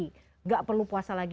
tidak perlu puasa lagi